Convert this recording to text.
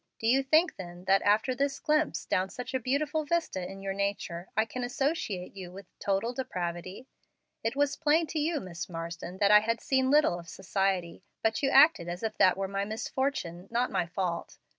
Do you think then, that, after this glimpse down such a beautiful vista in your nature, I can associate you with 'total depravity'? It was plain to you, Miss Marsden, that I had seen little of society, but you acted as if that were my misfortune, not my fault.